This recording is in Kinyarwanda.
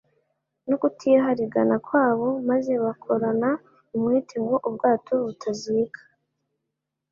no kutiharigana kwabo maze bakorana umwete ngo ubwato butazika.